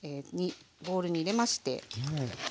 ボウルに入れまして。